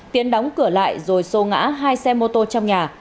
tiến đóng cửa lại rồi sô ngã hai xe mô tô trong nhà